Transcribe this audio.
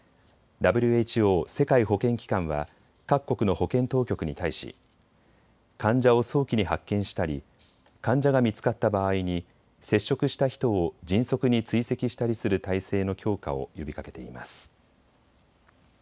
ＷＨＯ・世界保健機関は各国の保健当局に対し患者を早期に発見したり患者が見つかった場合に接触した人を迅速に追跡したりする態勢の強化を呼びかけています。